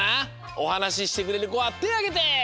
おはなししてくれるこはてあげて！